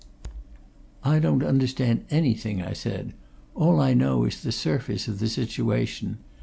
"I don't understand anything," I said. "All I know is the surface of the situation.